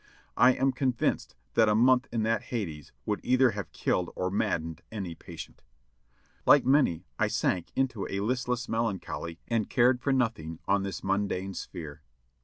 I am convinced that a month in that Hades would either have killed or maddened any patient. Like many, I sank into a listless melancholy and cared for nothing on this mundane sphere.